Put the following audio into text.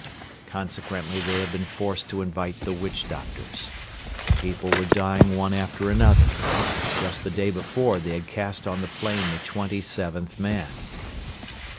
Consequently they had been forced to invite the witch doctors. The people were dying one after another. Just the day before they had cast on the plain the twenty seventh man.